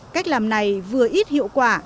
cách làm này vừa ít hiệu quả